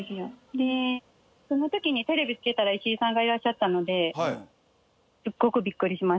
でそのときにテレ石井さんがいらっしゃったのですっごくビックリしました。